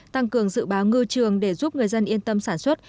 tăng cường dự báo ngư trường để giúp người dân yên tâm sản xuất